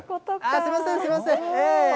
すみません、すみません。